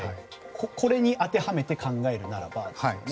これに当てはめて考えるならばですよね。